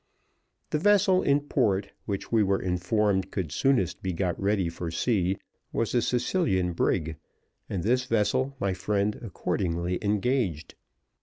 The vessel in port which we were informed could soonest be got ready for sea was a Sicilian brig, and this vessel my friend accordingly engaged.